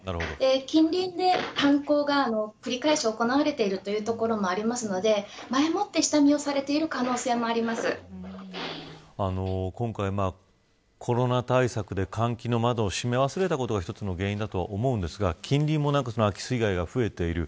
近隣で犯行が繰り返し行われているいうところもあるので前もって下見をされている今回コロナ対策で換気の窓を閉め忘れたことが一つの原因だと思いますが近隣も空き巣被害が増えている。